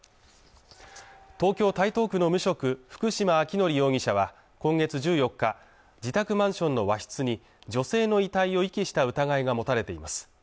東京台東区の無職福島昭則容疑者は今月１４日自宅マンションの和室に女性の遺体を遺棄した疑いが持たれています